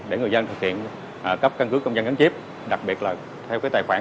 để người dân thực hiện cấp căn cứ công dân gắn chiếp đặc biệt là theo cái tài khoản